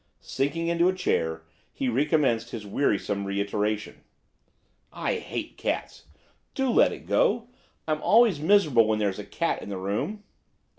Sinking into a chair, he recommenced his wearisome reiteration. 'I hate cats! Do let it go! I'm always miserable when there's a cat in the room.